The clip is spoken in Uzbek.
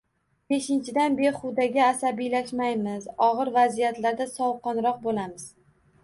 Beshinchidan, behudaga asabiylashmaymiz, og‘ir vaziyatlarda sovuqqonroq bo‘lamiz.